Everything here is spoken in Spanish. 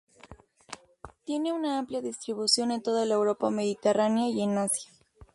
Tiene una amplia distribución en toda la Europa mediterránea y en Asia.